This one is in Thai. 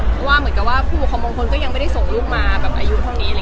เพราะว่าเหมือนกับว่าผู้ปกครองมงคลก็ยังไม่ได้ส่งลูกมาแบบอายุเท่านี้เลย